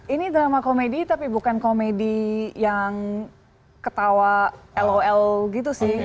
ini drama komedi tapi bukan komedi yang ketawa lo gitu sih